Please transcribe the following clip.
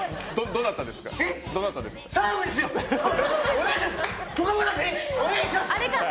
どなたですか？